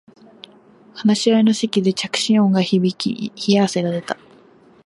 話し合いの席で着信音が響き冷や汗が出た